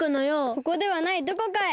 ここではないどこかへ！